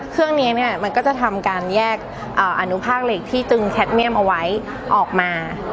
เครื่องนี้เนี่ยมันก็จะทำการแยกอนุภาคเหล็กที่จึงแคทเมี่ยมเอาไว้ออกมา